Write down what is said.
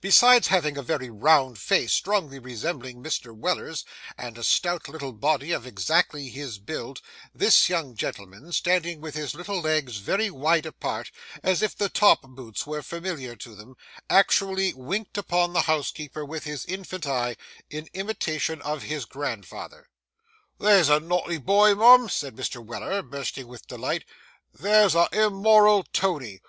Besides having a very round face strongly resembling Mr. Weller's, and a stout little body of exactly his build, this young gentleman, standing with his little legs very wide apart, as if the top boots were familiar to them, actually winked upon the housekeeper with his infant eye, in imitation of his grandfather. [Picture: A Chip of the Old Block] 'There's a naughty boy, mum,' said Mr. Weller, bursting with delight, 'there's a immoral Tony.